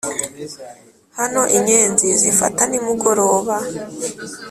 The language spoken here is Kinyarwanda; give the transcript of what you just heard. hano inyenzi zifata nimugoroba;